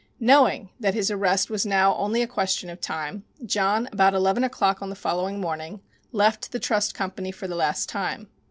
Knowing that his arrest was now only a question of time, John, about eleven o'clock on the following morning, left the trust company for the last time.